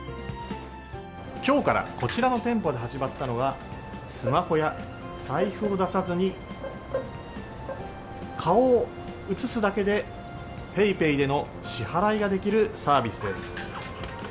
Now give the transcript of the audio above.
きょうからこちらの店舗で始まったのは、スマホや財布を出さずに、顔を写すだけでＰａｙＰａｙでの支払いができるサービスです。